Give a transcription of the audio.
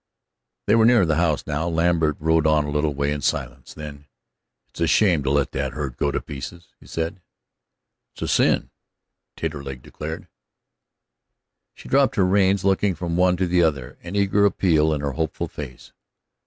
They were near the house now. Lambert rode on a little way in silence. Then: "It's a shame to let that herd go to pieces," he said. "It's a sin!" Taterleg declared. She dropped her reins, looking from one to the other, an eager appeal in her hopeful face.